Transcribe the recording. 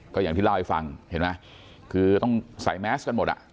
ก็อย่างที่เล่าให้ฟังเห็นไหมคือต้องใส่แมสกันหมดอ่ะ